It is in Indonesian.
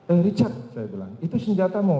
eh richard saya bilang itu senjatamu